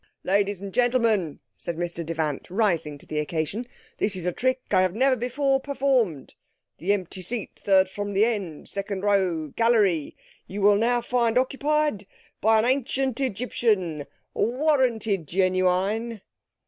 "Ladies and gentlemen," said Mr Devant, rising to the occasion, "this is a trick I have never before performed. The empty seat, third from the end, second row, gallery—you will now find occupied by an Ancient Egyptian, warranted genuine."